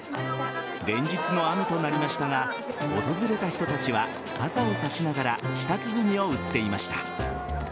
連日の雨となりましたが訪れた人たちは傘を差しながら舌鼓を打っていました。